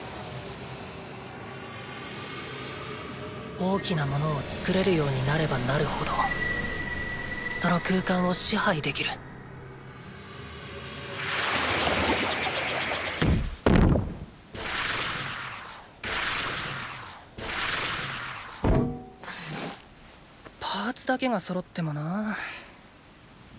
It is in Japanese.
大きな物を作れるようになればなるほどその空間を支配できるパーツだけがそろってもな。